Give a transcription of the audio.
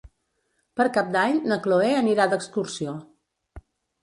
Per Cap d'Any na Chloé anirà d'excursió.